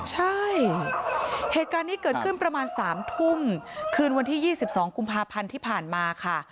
ใช่เหตุการณ์นี้เกิดขึ้นประมาณ๓ทุ่มคืนวันที่๒๒กุมภาพันธ์ที่ผ่านมาค่ะ